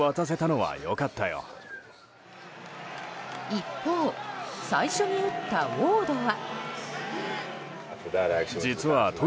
一方、最初に打ったウォードは。